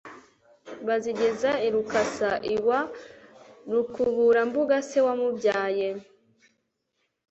Bazigeze i Rukaza iwa Rukaburambuga se wamubyaye.